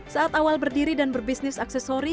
saat awal berdiri dan berbisnis aksesori